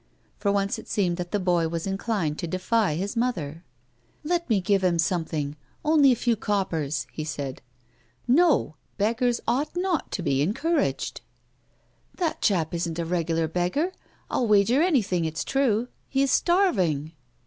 For once it seemed that the boy was inclined to defy his mother. " Let me give him something — only a few cop pers," he said. " No ; beggars ought not to be encouraged." " Tiiat chap isn't a regular beggar, I'll wager anything it's true. He is starving."